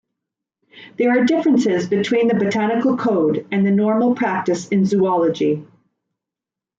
There are differences between the botanical code and the normal practice in zoology.